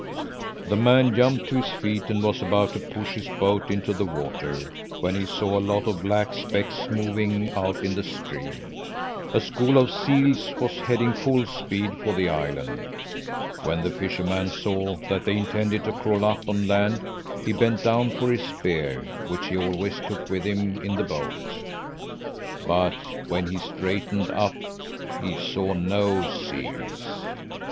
"The man jumped to his feet and was about to push his boat into the water, when he saw a lot of black specks moving out in the stream. A school of seals was heading full speed for the island. When the fisherman saw that they intended to crawl up on land, he bent down for his spear, which he always took with him in the boat. But when he straightened up, he saw no seals.